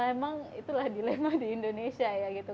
memang itulah dilema di indonesia ya gitu